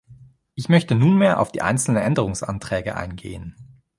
Ich möchte nunmehr auf die einzelnen Änderungsanträge eingehen.